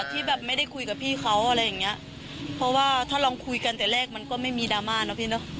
ที่แบบไม่ได้คุยกับพี่เขาอะไรอย่างเงี้ยเพราะว่าถ้าลองคุยกันแต่แรกมันก็ไม่มีดราม่าเนอะพี่เนอะ